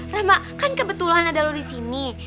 rama kan kebetulan ada lo di sini